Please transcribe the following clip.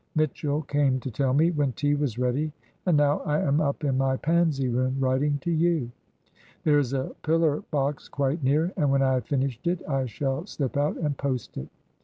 Mitchell came to tell me when tea was ready, and now I am up in my Pansy Room, writing to you. There is a pillar box quite near, and when I have finished it I shall slip out and post it."